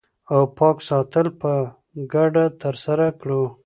او پاک ساتل په ګډه ترسره کړو